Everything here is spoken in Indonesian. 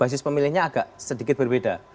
karena basis pemilihnya agak sedikit berbeda